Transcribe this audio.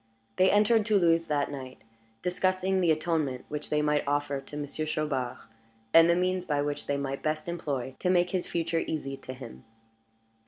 They entered Toulouse that night, discussing the atonement which they might offer to Monsieur Chaubard, and the means which they might best employ to make his future easy to him.